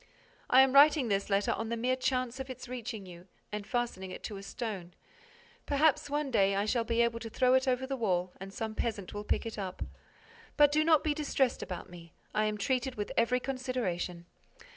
I am writing this letter, on the mere chance of its reaching you, and fastening it to a stone. Perhaps, one day, I shall be able to throw it over the wall and some peasant will pick it up. But do not be distressed about me. I am treated with every consideration.